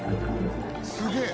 「すげえ！